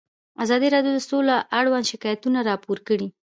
ازادي راډیو د سوله اړوند شکایتونه راپور کړي.